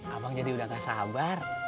abang jadi udah gak sabar